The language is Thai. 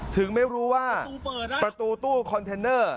ถึงไม่รู้ว่าประตูตู้คอนเทนเนอร์